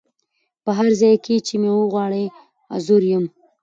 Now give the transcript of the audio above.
په هر ځای کي چي مي وغواړی حضور یم